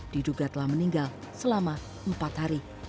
diduga telah meninggal selama empat hari